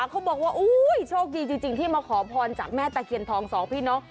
เขาบอกว่าโชคดีจริงที่มาขอพรจากแม่ตะเคียนทองสองพี่น้อง